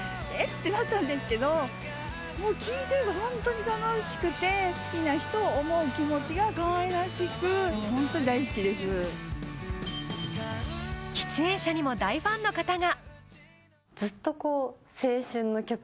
てなったんですけど聴いていると本当に楽しくて好きな人を思う気持ちが可愛らしく出演者にも大ファンの方が。